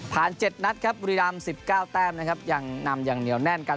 ๗นัดครับบุรีราม๑๙แต้มนะครับยังนำอย่างเหนียวแน่นกัน